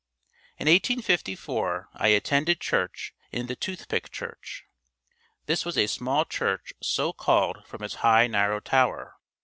In 1854 I attended church in the Tooth pick church. This was a small church so called from its high, narrow tower.